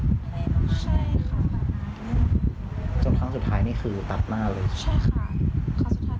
จนครั้งสุดท้ายนี่คือตัดหน้าเลย